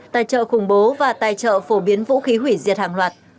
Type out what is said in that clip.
tài trợ khủng bố và tài trợ phổ biến vũ khí hủy diệt hàng loạt